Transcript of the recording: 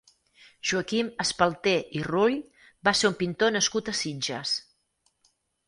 Joaquim Espalter i Rull va ser un pintor nascut a Sitges.